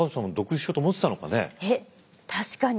えっ確かに。